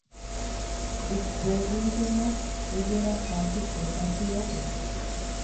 Upéguintema ojeraha chupe tasyópe.